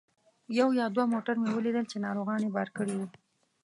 یو یا دوه موټر مې ولیدل چې ناروغان یې بار کړي وو.